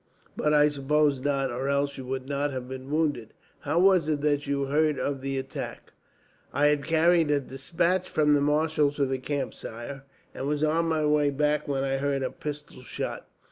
But I suppose not, or else you would not have been wounded. How was it that you heard of the attack?" "I had carried a despatch from the marshal to the camp, sire, and was on my way back when I heard a pistol shot.